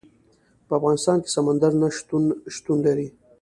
په افغانستان کې سمندر نه شتون شتون لري.